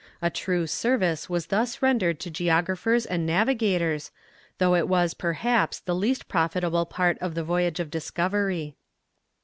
A true service was thus rendered to geographers and navigators, though it was, perhaps, the least profitable part of the voyage of discovery.